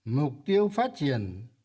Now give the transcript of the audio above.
mục tiêu phát triển